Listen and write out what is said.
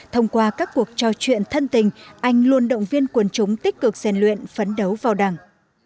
thông qua các cuộc trò chuyện thân tình anh luôn động viên quân chúng tích cực gian luyện phấn đấu vào đảng